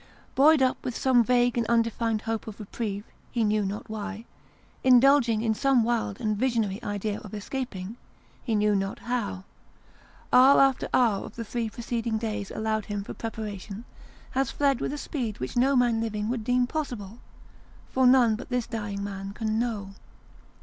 Buoyed up with some vague and undefined hope of reprieve, he knew not why indulging in some wild and visionary idea of escaping, he knew not how hour after hour of the three preceding days allowed him for preparation, has fled with a speed which no man living would deem possible, for none but this dying man can know.